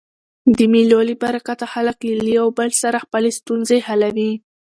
د مېلو له برکته خلک له یو بل سره خپلي ستونزي حلوي.